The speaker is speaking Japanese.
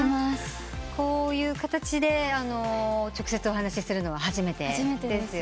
こういう形で直接お話しするのは初めてですよね。